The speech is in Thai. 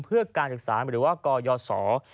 เพื่อการศึกษาหรือว่ากยศ